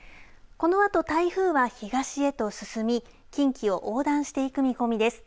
このあと台風は東へと進み近畿を横断していく見込みです。